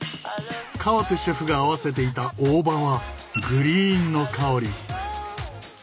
川手シェフが合わせていた大葉はグリーンの香り。